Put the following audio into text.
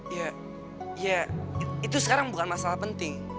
ya itu sekarang bukan masalah penting